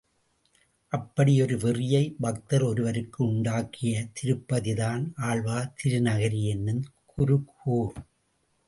அப்படி ஒரு வெறியை பக்தர் ஒருவருக்கு உண்டாகிய திருப்பதி தான் ஆழ்வார் திருநகரி என்னும் குருகூர்.